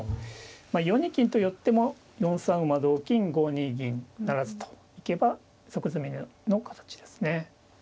まあ４二金と寄っても４三馬同金５二銀不成と行けば即詰みの形ですね。